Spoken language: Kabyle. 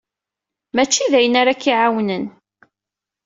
Mačči d ayen ara k-iɛawnen.